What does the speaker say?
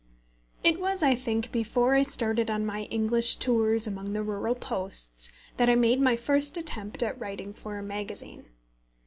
It was, I think, before I started on my English tours among the rural posts that I made my first attempt at writing for a magazine.